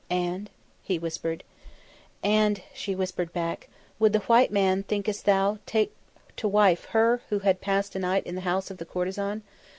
"And ?" he whispered. "And " she whispered back, "would the white man, thinkest thou, take to wife her who had passed a night in the house of the courtesan?